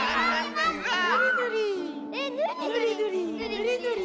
ぬりぬり。